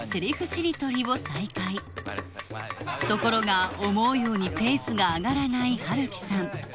しりとりを再開ところが思うようにペースが上がらないハルキさん